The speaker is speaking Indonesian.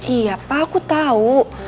iya pak aku tahu